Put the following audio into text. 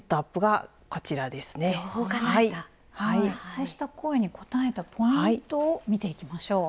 そうした声に応えたポイントを見ていきましょう。